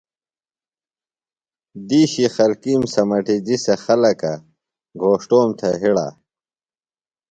دِیشی خلکِیم سمٹِجیۡ سےۡ خلکہ گھوݜٹوم تھےۡ ہڑہ۔